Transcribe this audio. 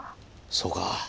そうか。